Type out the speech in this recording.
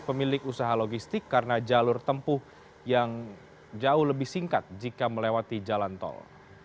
pemilik usaha logistik karena jalur tempuh yang jauh lebih singkat jika melewati jalan tol